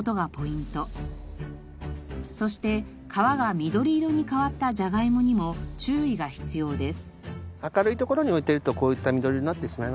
そして皮が緑色に変わったジャガイモにも注意が必要です。